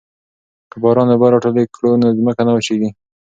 که باران اوبه راټولې کړو نو ځمکه نه وچیږي.